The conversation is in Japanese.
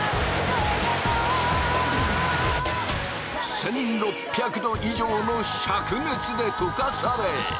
１，６００度以上の灼熱でとかされ。